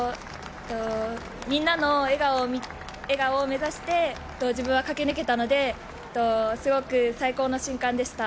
みんなの笑顔を目指して自分は駆け抜けたのですごく最高の瞬間でした。